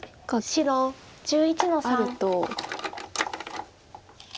白１１の三。